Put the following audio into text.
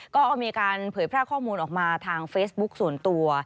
ก็มีการเผยแพร่ข้อมูลออกมาทางเฟซบุ๊คส่วนตัว